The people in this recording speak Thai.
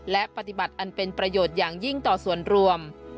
และปฏิบัติอันเป็นประโยชน์อย่างยิ่งต่อส่วนรวม